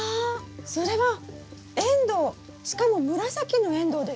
それはエンドウしかも紫のエンドウですか？